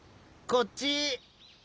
こっち！